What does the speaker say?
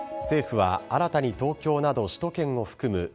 政府は新たに東京など首都圏を含む